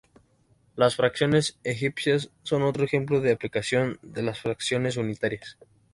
Las fracciones egipcias son otro ejemplo de aplicación de las fracciones unitarias.